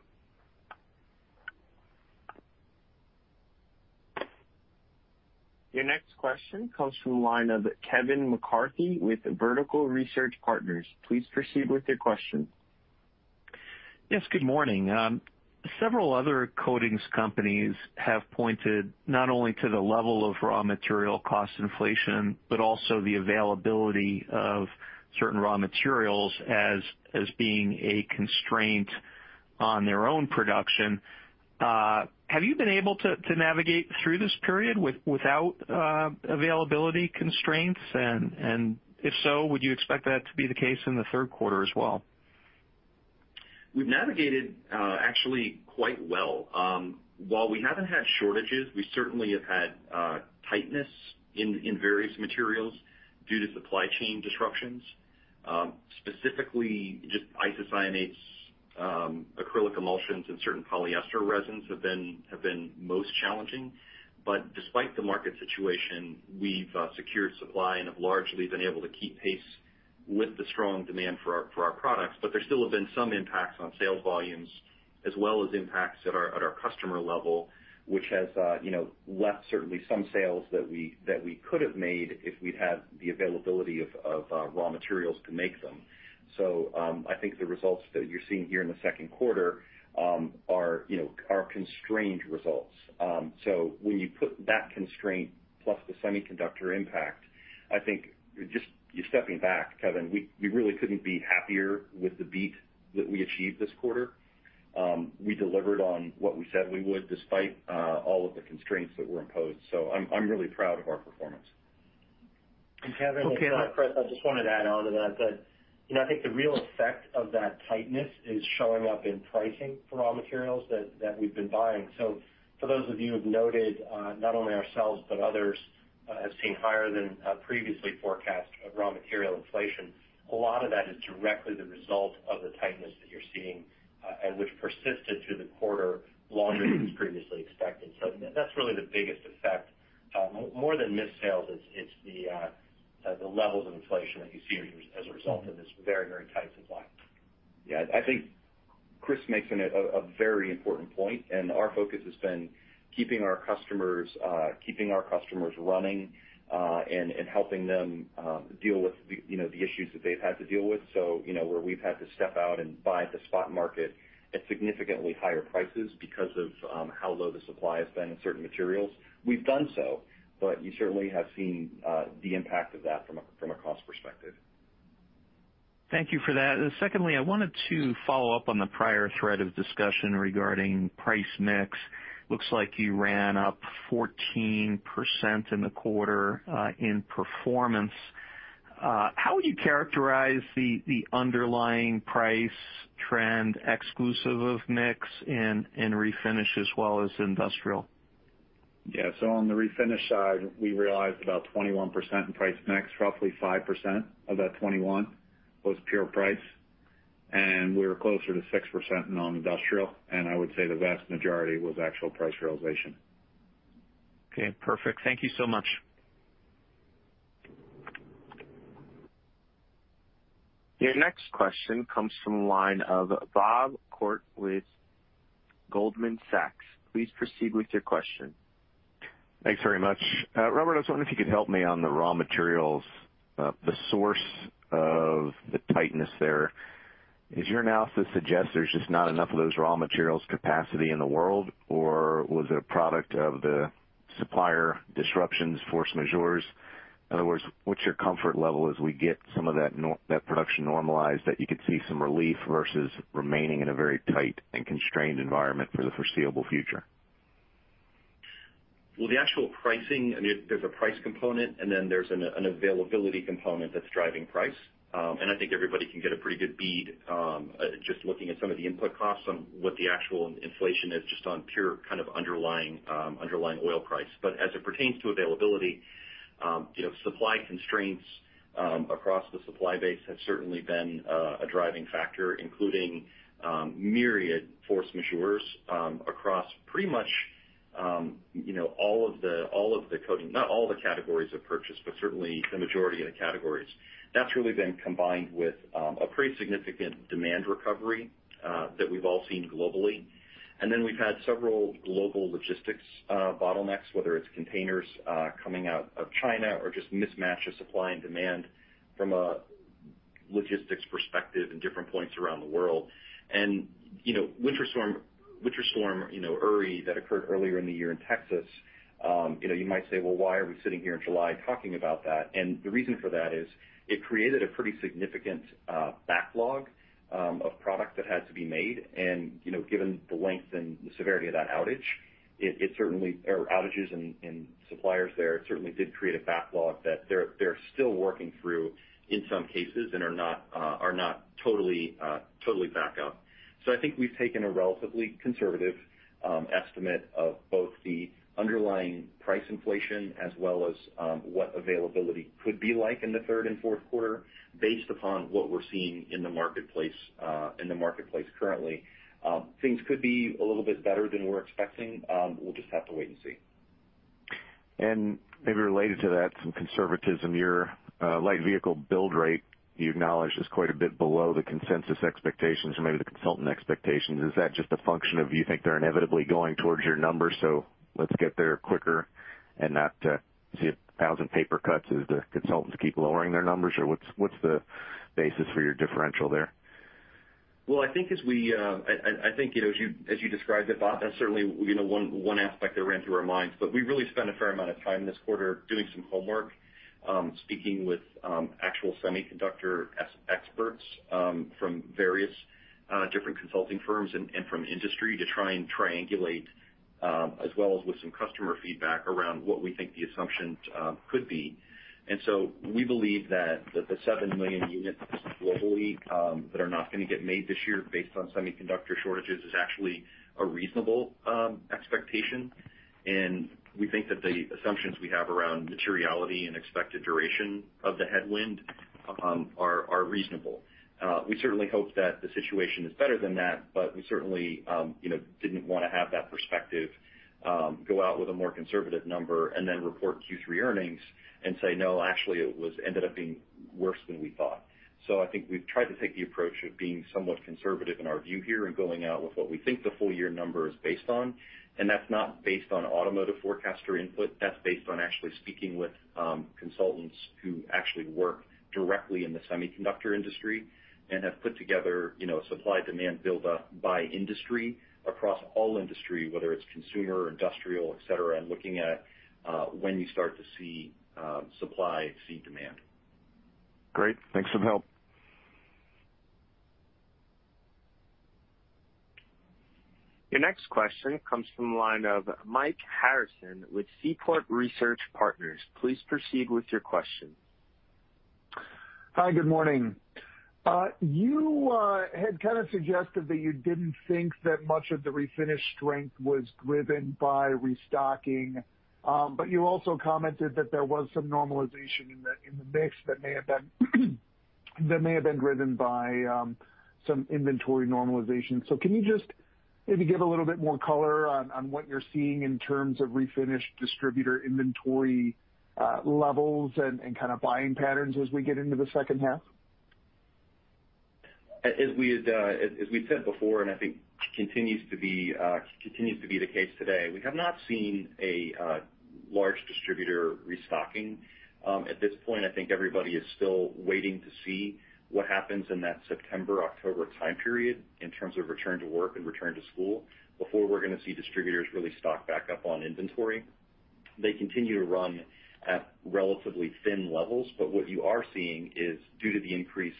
Your next question comes from the line of Kevin McCarthy with Vertical Research Partners. Please proceed with your question. Yes, good morning. Several other coatings companies have pointed not only to the level of raw material cost inflation, but also the availability of certain raw materials as being a constraint on their own production. Have you been able to navigate through this period without availability constraints? If so, would you expect that to be the case in the third quarter as well? We've navigated actually quite well. While we haven't had shortages, we certainly have had tightness in various materials due to supply chain disruptions. Specifically just isocyanates, acrylic emulsions, and certain polyester resins have been most challenging. Despite the market situation, we've secured supply and have largely been able to keep pace with the strong demand for our products, but there still have been some impacts on sales volumes as well as impacts at our customer level, which has left certainly some sales that we could have made if we'd had the availability of raw materials to make them. I think the results that you're seeing here in the second quarter are constrained results. When you put that constraint plus the semiconductor impact, I think just stepping back, Kevin, we really couldn't be happier with the bit that we achieved this quarter. We delivered on what we said we would, despite all of the constraints that were imposed. I'm really proud of our performance. And Kevin- Okay. Chris, I just want to add on to that I think the real effect of that tightness is showing up in pricing for raw materials that we've been buying. For those of you who have noted, not only ourselves, but others have seen higher than previously forecast raw material inflation. A lot of that is directly the result of the tightness that you're seeing, and which persisted through the quarter longer than previously expected. That's really the biggest effect. More than missed sales, it's the levels of inflation that you see as a result of this very tight supply. Yeah. I think Chris makes a very important point, and our focus has been keeping our customers running, and helping them deal with the issues that they've had to deal with. Where we've had to step out and buy at the spot market at significantly higher prices because of how low the supply has been in certain materials, we've done so, but you certainly have seen the impact of that from a cost perspective. Thank you for that. I wanted to follow up on the prior thread of discussion regarding price mix. Looks like you ran up 14% in the quarter in Performance. How would you characterize the underlying price trend exclusive of mix in Refinish as well as Industrial? On the Refinish side, we realized about 21% in price mix. Roughly 5% of that 21% was pure price, and we were closer to 6% in on Industrial, and I would say the vast majority was actual price realization. Okay, perfect. Thank you so much. Your next question comes from the line of Bob Koort with Goldman Sachs. Please proceed with your question. Thanks very much. Robert, I was wondering if you could help me on the raw materials, the source of the tightness there. Does your analysis suggest there's just not enough of those raw materials capacity in the world, or was it a product of the supplier disruptions, force majeure? In other words, what's your comfort level as we get some of that production normalized that you could see some relief versus remaining in a very tight and constrained environment for the foreseeable future? Well, the actual pricing, there's a price component, and then there's an availability component that's driving price. I think everybody can get a pretty good bead, just looking at some of the input costs on what the actual inflation is, just on pure kind of underlying oil price. As it pertains to availability, supply constraints across the supply base have certainly been a driving factor, including myriad force majeure across pretty much all of the coatings, not all the categories of purchase, but certainly the majority of the categories. That's really been combined with a pretty significant demand recovery that we've all seen globally. We've had several global logistics bottlenecks, whether it's containers coming out of China or just mismatch of supply and demand from a logistics perspective in different points around the world. Winter Storm Uri that occurred earlier in the year in Texas, you might say, "Well, why are we sitting here in July talking about that?" The reason for that is it created a pretty significant backlog of product that had to be made. Given the length and the severity of that outage, or outages in suppliers there, it certainly did create a backlog that they're still working through in some cases and are not totally back up. I think we've taken a relatively conservative estimate of both the underlying price inflation as well as what availability could be like in the third and fourth quarter based upon what we're seeing in the marketplace currently. Things could be a little bit better than we're expecting. We'll just have to wait and see. Maybe related to that, some conservatism. Your light vehicle build rate you acknowledged is quite a bit below the consensus expectations or maybe the consultant expectations. Is that just a function of you think they're inevitably going towards your numbers, so let's get there quicker and not see 1,000 paper cuts as the consultants keep lowering their numbers, or what's the basis for your differential there? Well, I think as you described it, Bob, that's certainly one aspect that ran through our minds, but we really spent a fair amount of time this quarter doing some homework, speaking with actual semiconductor experts from various different consulting firms and from industry to try and triangulate, as well as with some customer feedback around what we think the assumptions could be. We believe that the 7 million units globally that are not going to get made this year based on semiconductor shortages is actually a reasonable expectation. We think that the assumptions we have around materiality and expected duration of the headwind are reasonable. We certainly hope that the situation is better than that, but we certainly didn't want to have that perspective go out with a more conservative number and then report Q3 earnings and say, "No, actually it ended up being worse than we thought." I think we've tried to take the approach of being somewhat conservative in our view here and going out with what we think the full year number is based on. That's not based on automotive forecaster input. That's based on actually speaking with consultants who actually work directly in the semiconductor industry and have put together supply-demand buildup by industry across all industry, whether it's consumer, industrial, et cetera, and looking at when you start to see supply exceed demand. Great. Thanks for the help. Your next question comes from the line of Mike Harrison with Seaport Research Partners. Please proceed with your question. Hi, good morning. You had kind of suggested that you didn't think that much of the Refinish strength was driven by restocking. You also commented that there was some normalization in the mix that may have been driven by some inventory normalization. Can you just maybe give a little bit more color on what you're seeing in terms of Refinish distributor inventory levels and kind of buying patterns as we get into the second half? As we've said before, and I think continues to be the case today, we have not seen a large distributor restocking. At this point, I think everybody is still waiting to see what happens in that September-October time period in terms of return to work and return to school before we're going to see distributors really stock back up on inventory. They continue to run at relatively thin levels, but what you are seeing is due to the increase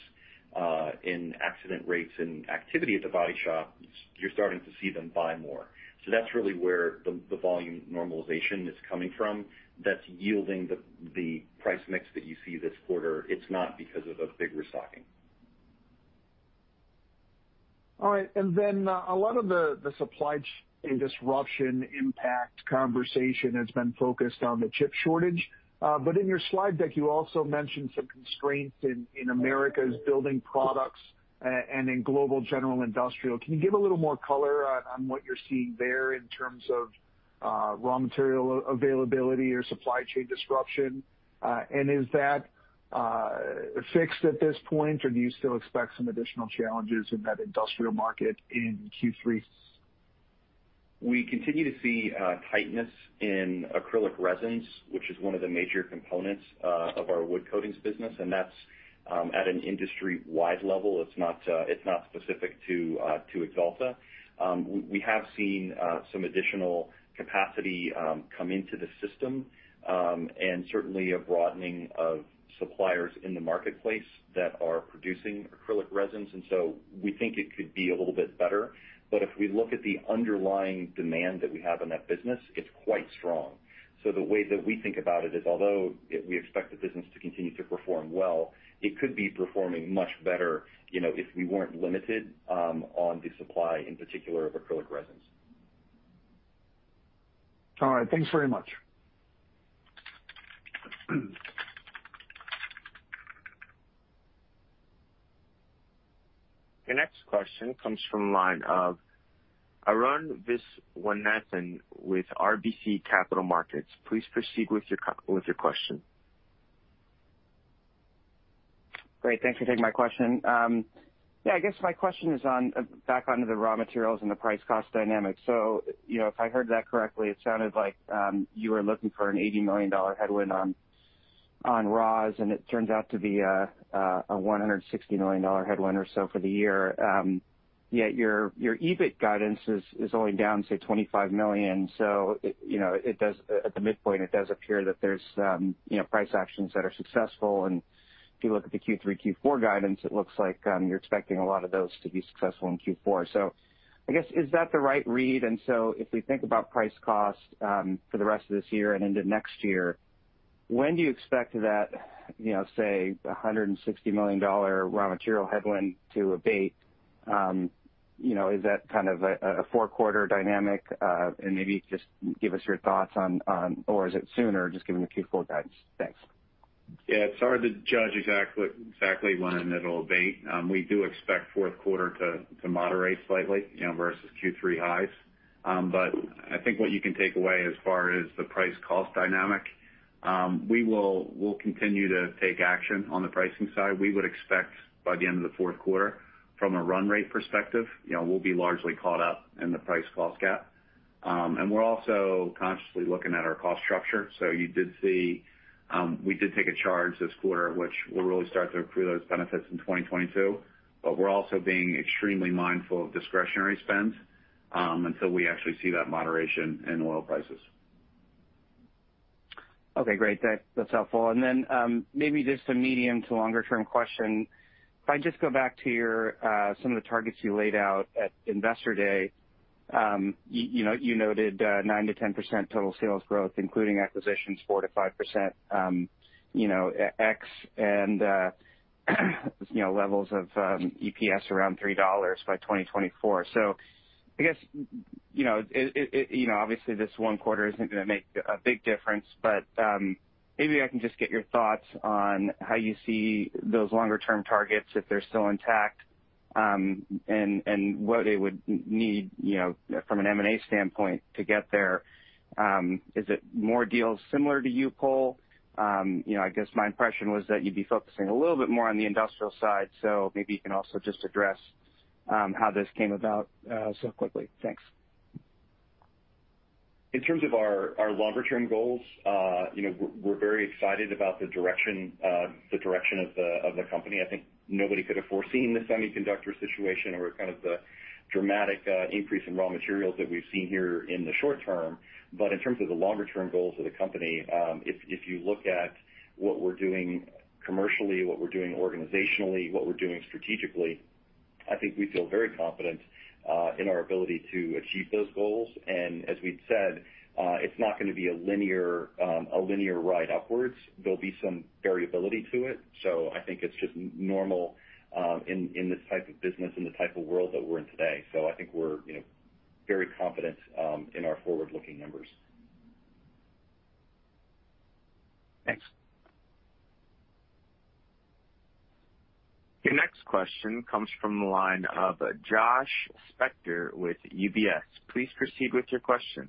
in accident rates and activity at the body shop, you're starting to see them buy more. That's really where the volume normalization is coming from. That's yielding the price mix that you see this quarter. It's not because of a big restocking. All right. A lot of the supply disruption impact conversation has been focused on the chip shortage. In your slide deck, you also mentioned some constraints in Americas building products and in global general industrial. Can you give a little more color on what you are seeing there in terms of raw material availability or supply chain disruption? Is that fixed at this point, or do you still expect some additional challenges in that industrial market in Q3? We continue to see tightness in acrylic resins, which is one of the major components of our wood coatings business. That's at an industry-wide level. It's not specific to Axalta. We have seen some additional capacity come into the system, certainly a broadening of suppliers in the marketplace that are producing acrylic resins. We think it could be a little bit better. If we look at the underlying demand that we have in that business, it's quite strong. The way that we think about it is, although we expect the business to continue to perform well, it could be performing much better if we weren't limited on the supply, in particular of acrylic resins. All right. Thanks very much. Your next question comes from the line of Arun Viswanathan with RBC Capital Markets. Please proceed with your question. Great. Thanks for taking my question. Yeah, I guess my question is back onto the raw materials and the price-cost dynamics. If I heard that correctly, it sounded like you were looking for an $80 million headwind on raws, and it turns out to be a $160 million headwind or so for the year. Yet, your EBIT guidance is only down, say, $25 million. At the midpoint, it does appear that there's price actions that are successful. If you look at the Q3, Q4 guidance, it looks like you're expecting a lot of those to be successful in Q4. I guess, is that the right read? If we think about price cost for the rest of this year and into next year, when do you expect that, say, $160 million raw material headwind to abate? Is that kind of a four-quarter dynamic? Maybe just give us your thoughts on, or is it sooner, just given the Q4 guidance? Thanks. Yeah, it's hard to judge exactly when it'll abate. We do expect fourth quarter to moderate slightly versus Q3 highs. I think what you can take away as far as the price-cost dynamic, we'll continue to take action on the pricing side. We would expect by the end of the fourth quarter, from a run rate perspective, we'll be largely caught up in the price-cost gap. We're also consciously looking at our cost structure. You did see we did take a charge this quarter, which we'll really start to accrue those benefits in 2022. We're also being extremely mindful of discretionary spends until we actually see that moderation in oil prices. Okay, great. That's helpful. Maybe just a medium to longer-term question. If I just go back to some of the targets you laid out at Investor Day. You noted 9%-10% total sales growth, including acquisitions 4%-5%, ex and levels of EPS around $3 by 2024. I guess, obviously this one quarter isn't going to make a big difference, but maybe I can just get your thoughts on how you see those longer-term targets, if they're still intact, and what it would need from an M&A standpoint to get there. Is it more deals similar to U-POL? I guess my impression was that you'd be focusing a little bit more on the industrial side, maybe you can also just address how this came about so quickly. Thanks. In terms of our longer-term goals, we're very excited about the direction of the company. I think nobody could have foreseen the semiconductor situation or kind of the dramatic increase in raw materials that we've seen here in the short term. In terms of the longer-term goals of the company, if you look at what we're doing commercially, what we're doing organizationally, what we're doing strategically, I think we feel very confident in our ability to achieve those goals. As we've said, it's not going to be a linear ride upwards. There'll be some variability to it. I think it's just normal in this type of business, in the type of world that we're in today. I think we're very confident in our forward-looking numbers. Thanks. Your next question comes from the line of Josh Spector with UBS. Please proceed with your question.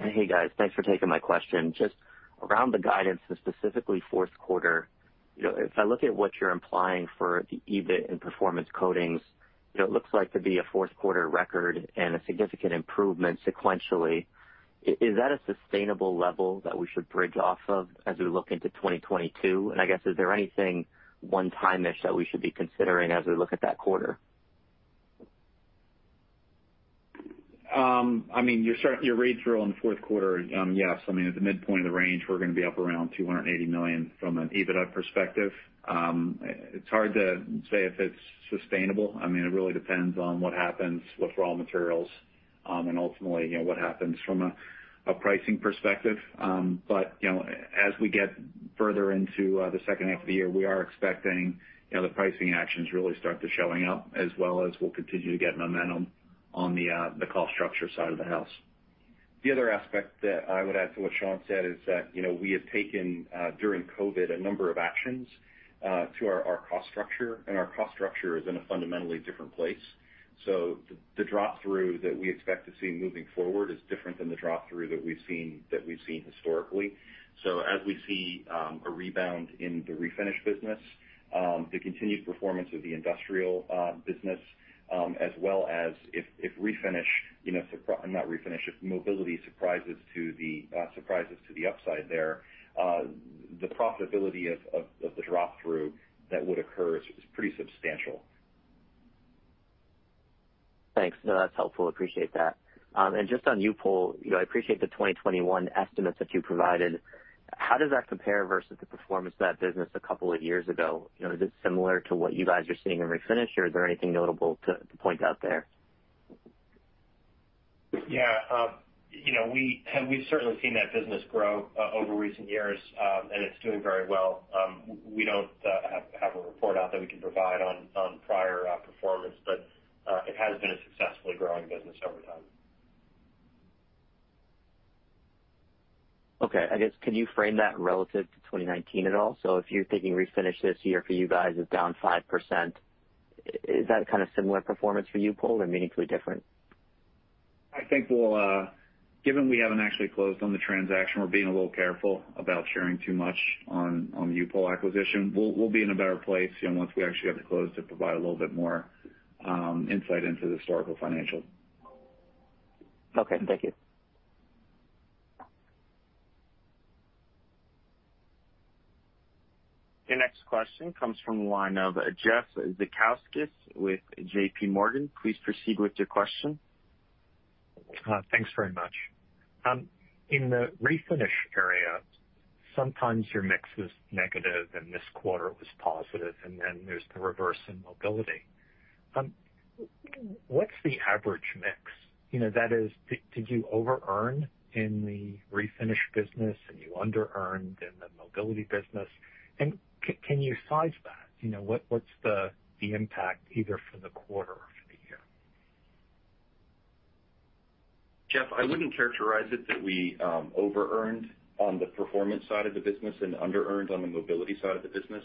Hey, guys. Thanks for taking my question. Just around the guidance to specifically fourth quarter, if I look at what you're implying for the EBIT in Performance Coatings, it looks like to be a fourth quarter record and a significant improvement sequentially. Is that a sustainable level that we should bridge off of as we look into 2022? I guess, is there anything one-timish that we should be considering as we look at that quarter? Your read through on the fourth quarter, yes. At the midpoint of the range, we're going to be up around $280 million from an EBITDA perspective. It's hard to say if it's sustainable. It really depends on what happens with raw materials, and ultimately, what happens from a pricing perspective. As we get further into the second half of the year, we are expecting the pricing actions really start to showing up, as well as we'll continue to get momentum on the cost structure side of the house. The other aspect that I would add to what Sean said is that we have taken, during COVID-19, a number of actions to our cost structure, and our cost structure is in a fundamentally different place. The drop-through that we expect to see moving forward is different than the drop-through that we've seen historically. As we see a rebound in the Refinish business, the continued performance of the Industrial business, as well as if Mobility surprises to the upside there, the profitability of the drop-through that would occur is pretty substantial. Thanks. No, that's helpful. Appreciate that. Just on U-POL, I appreciate the 2021 estimates that you provided. How does that compare versus the performance of that business a couple of years ago? Is it similar to what you guys are seeing in Refinish, or is there anything notable to point out there? Yeah. We've certainly seen that business grow over recent years. It's doing very well. We don't have a report out that we can provide on prior performance. It has been a successfully growing business over time. Okay. I guess could you frame that relative to 2019 at all? If you're thinking Refinish this year for you guys is down 5%, is that kind of similar performance for U-POL or meaningfully different? I think given we haven't actually closed on the transaction, we're being a little careful about sharing too much on the U-POL acquisition. We'll be in a better place once we actually have it closed to provide a little bit more insight into the historical financials. Okay. Thank you. Your next question comes from the line of Jeff Zekauskas with JPMorgan. Please proceed with your question. Thanks very much. In the Refinish area, sometimes your mix was negative, and this quarter it was positive, and then there's the reverse in Mobility. What's the average mix? That is, did you over-earn in the Refinish business, and you under-earned in the Mobility business? Can you size that? What's the impact either for the quarter or for the year? Jeff, I wouldn't characterize it that we over-earned on the Performance side of the business and under-earned on the Mobility side of the business.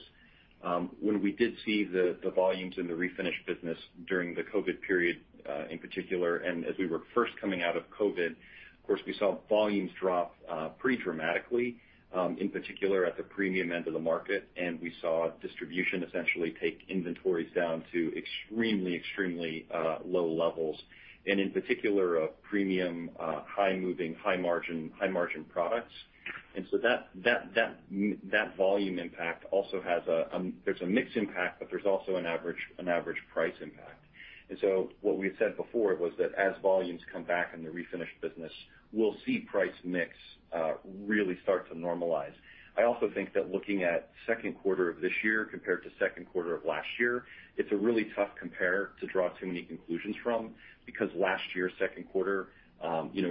When we did see the volumes in the Refinish business during the COVID period, in particular, and as we were first coming out of COVID, of course, we saw volumes drop pretty dramatically, in particular at the premium end of the market. We saw distribution essentially take inventories down to extremely low levels. In particular, premium, high moving, high margin products. That volume impact also has a mix impact, but there's also an average price impact. What we had said before was that as volumes come back in the Refinish business, we'll see price mix really start to normalize. I also think that looking at second quarter of this year compared to second quarter of last year, it's a really tough compare to draw too many conclusions from, because last year, second quarter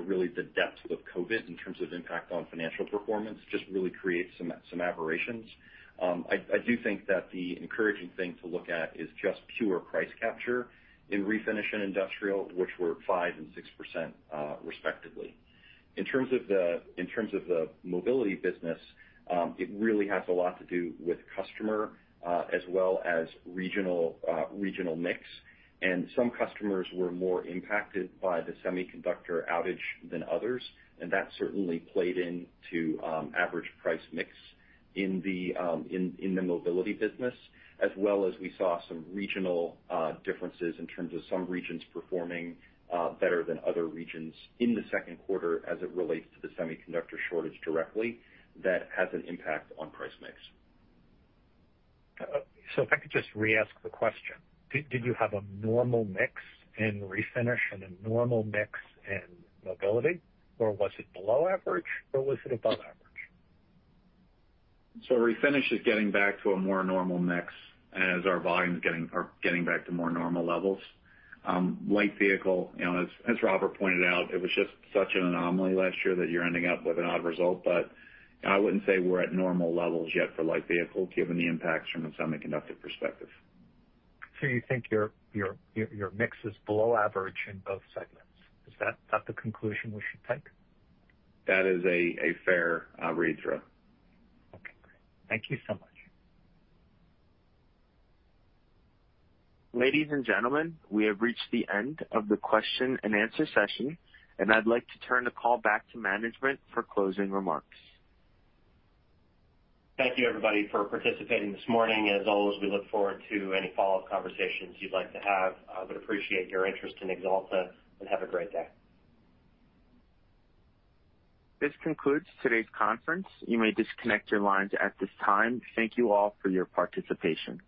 really the depths of COVID-19 in terms of impact on financial performance just really creates some aberrations. I do think that the encouraging thing to look at is just pure price capture in Refinish and Industrial, which were 5% and 6%, respectively. In terms of the Mobility business, it really has a lot to do with customer, as well as regional mix. Some customers were more impacted by the semiconductor outage than others, and that certainly played into average price mix in the Mobility business, as well as we saw some regional differences in terms of some regions performing better than other regions in the second quarter as it relates to the semiconductor shortage directly that has an impact on price mix. If I could just re-ask the question, did you have a normal mix in Refinish and a normal mix in Mobility, or was it below average or was it above average? Refinish is getting back to a more normal mix as our volumes are getting back to more normal levels. Light vehicle, as Robert pointed out, it was just such an anomaly last year that you're ending up with an odd result. I wouldn't say we're at normal levels yet for Light vehicle given the impacts from a semiconductor perspective. Do you think your mix is below average in both segments? Is that the conclusion we should take? That is a fair readthrough. Okay, great. Thank you so much. Ladies and gentlemen, we have reached the end of the question and answer session, and I'd like to turn the call back to management for closing remarks. Thank you everybody for participating this morning. As always, we look forward to any follow-up conversations you'd like to have, but appreciate your interest in Axalta, and have a great day. This concludes today's conference. You may disconnect your lines at this time. Thank you all for your participation.